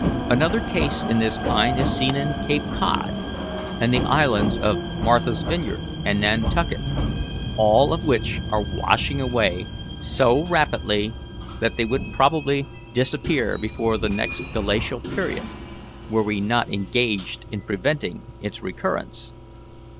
Another case of this kind is seen in Cape Cod and the islands of Martha's Vineyard and Nantucket, all of which are washing away so rapidly that they would probably disappear before the next Glacial period, were we not engaged in preventing its recurrence.